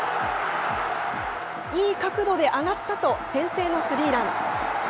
いい角度で上がったと、先制のスリーラン。